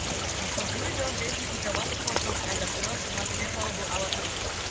In conclusion, Daisy is a wonderful dog and a beloved member of our family.